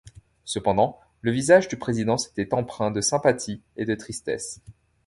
Cependant le visage du président s'était empreint de sympathie et de tristesse.